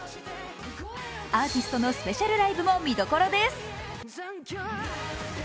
アーティストのスペシャルライブも見どころです。